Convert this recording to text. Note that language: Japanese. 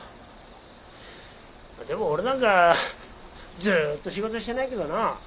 でも俺なんかずっと仕事してないけどな。